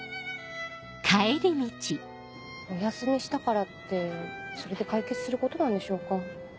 お休みしたからってそれで解決することなんでしょうか？